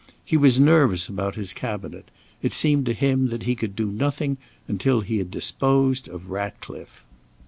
He was nervous about his Cabinet; it seemed to him that he could do nothing until he had disposed of Ratcliffe.